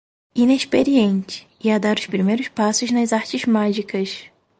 inexperiente e a dar os primeiros passos nas artes mágicas